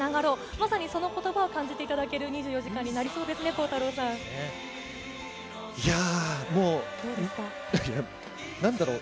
まさにそのことばを感じていただける２４時間になりそうですね、もうなんだろう。